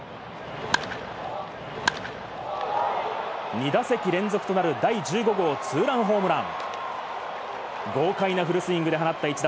２打席連続となる第１５号ツーランホームラン。